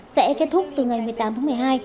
sẽ kết thúc từ ngày một mươi tám tháng một mươi hai